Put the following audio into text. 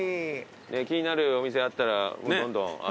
気になるお店あったらどんどん。